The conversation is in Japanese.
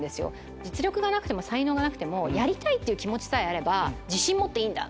実力がなくても才能がなくてもやりたいって気持ちさえあれば自信持っていいんだ！